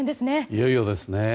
いよいよですね。